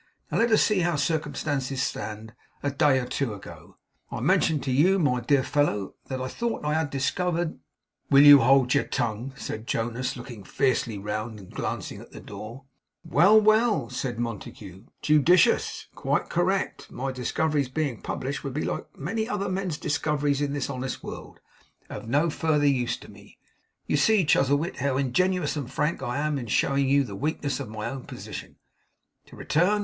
Now, let us see how circumstances stand. A day or two ago, I mentioned to you, my dear fellow, that I thought I had discovered ' 'Will you hold your tongue?' said Jonas, looking fiercely round, and glancing at the door. 'Well, well!' said Montague. 'Judicious! Quite correct! My discoveries being published, would be like many other men's discoveries in this honest world; of no further use to me. You see, Chuzzlewit, how ingenuous and frank I am in showing you the weakness of my own position! To return.